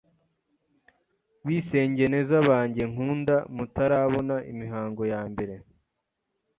bisengeneza bange nkunda mutarabona imihango ya mbere,